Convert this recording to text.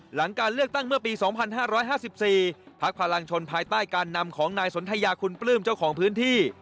หลังการเลือกตั้งเมื่อปีสองพันห้าร้อยห้าสิบสี่พักพลังชนภายใต้การนำของนายสนทายาคุณปลื้มเจ้าของพื้นที่